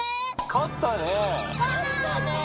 勝ったね。